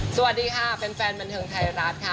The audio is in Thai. สวัสดีค่ะแฟนบันเทิงไทยรัฐค่ะ